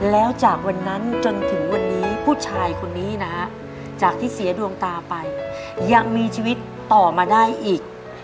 แล้วจากวันนั้นจนถึงวันนี้ผู้ชายคนนี้นะฮะจากที่เสียดวงตาไปยังมีชีวิตต่อมาได้อีก